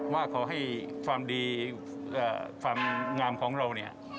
ว่าขอให้ความดีความงามของเราเนี่ย